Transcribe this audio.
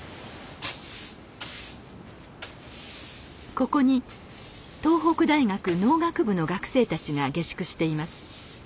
ここに東北大学農学部の学生たちが下宿しています。